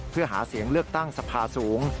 เพื่อหาเสียงเลือกตั้งสภาสูง